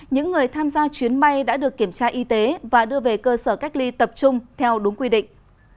những người tham gia chuyến bay đã được kiểm tra y tế và đưa về cơ sở cách ly tập trung theo đúng quy định